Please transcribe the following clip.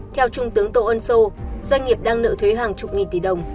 theo trung tướng tô ân sô doanh nghiệp đang nợ thuế hàng chục nghìn tỷ đồng